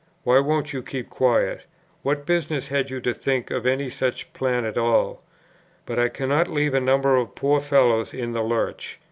why won't you keep quiet? what business had you to think of any such plan at all?' But I cannot leave a number of poor fellows in the lurch.